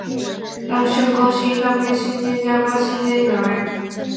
托卡洛马是位于美国加利福尼亚州马林县的一个非建制地区。